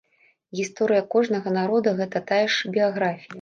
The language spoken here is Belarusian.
Гісторыя кожнага народа, гэта тая ж біяграфія.